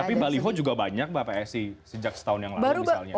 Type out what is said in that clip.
tapi baliho juga banyak mbak psi sejak setahun yang lalu misalnya